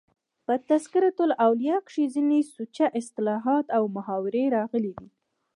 په "تذکرة الاولیاء" کښي ځيني سوچه اصطلاحات او محاورې راغلي دي.